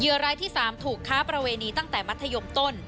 รายที่๓ถูกค้าประเวณีตั้งแต่มัธยมต้น